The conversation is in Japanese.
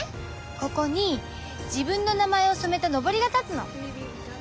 ここに自分の名前を染めた幟が立つの。